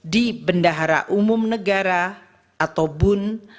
di bendahara umum negara atau bun